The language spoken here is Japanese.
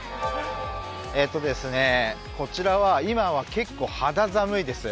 こちらは今は結構肌寒いです。